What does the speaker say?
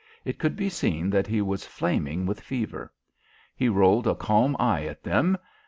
It could be seen that he was flaming with fever. He rolled a calm eye at them.